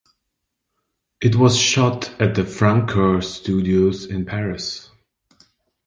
It was shot at the Francoeur Studios in Paris.